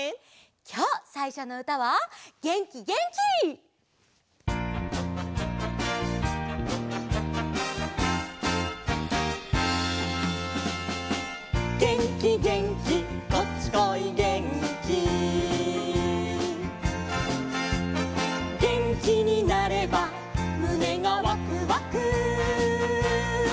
きょうさいしょのうたは「げんき・元気」！「げんきげんきこっちこいげんき」「げんきになればむねがワクワク」